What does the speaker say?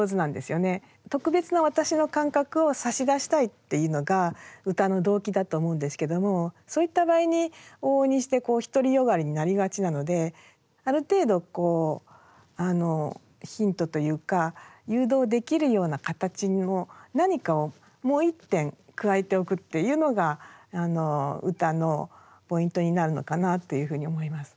特別な私の感覚を差し出したいというのが歌の動機だと思うんですけどもそういった場合に往々にして独り善がりになりがちなのである程度こうヒントというか誘導できるような形を何かをもう一点加えておくっていうのが歌のポイントになるのかなというふうに思います。